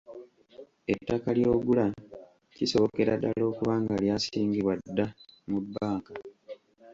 Ettaka ly'ogula kisobokera ddala okuba nga lyasingibwa dda mu bbanka.